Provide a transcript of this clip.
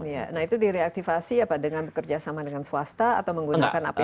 iya nah itu direaktifasi apa dengan kerjasama dengan swasta atau menggunakan apbd